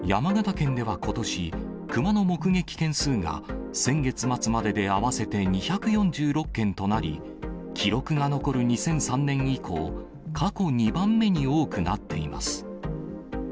山形県ではことし、クマの目撃件数が先月末までで合わせて２４６件となり、記録が残る２００３年以降、過去２番目に多くなっています。